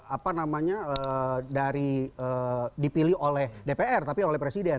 apa namanya dari dipilih oleh dpr tapi oleh presiden